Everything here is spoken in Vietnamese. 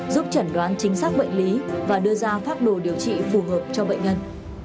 giúp chẩn đoán chính xác bệnh lý và đưa ra pháp đồ điều trị phù hợp cho bệnh nhân